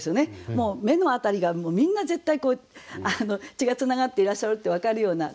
もう目の辺りがみんな絶対血がつながっていらっしゃるって分かるようなことでしょ。